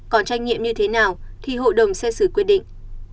còn trách nhiệm như thế nào thì hộ đồng sẽ xử quyết định